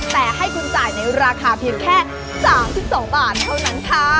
แต่ให้คุณจ่ายในราคาเพียงแค่๓๒บาทเท่านั้นค่ะ